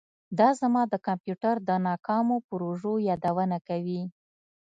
دا زما د کمپیوټر د ناکامو پروژو یادونه کوي